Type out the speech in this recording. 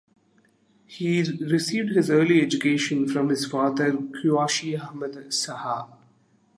He received his early education from his father Qazi Ahmad Shah.